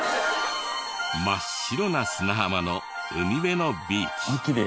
真っ白な砂浜の海辺のビーチ。